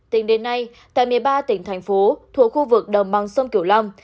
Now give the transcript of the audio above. tỉnh đến nay tại một mươi ba tỉnh thành phố thuộc khu vực đồng bằng sông kiều long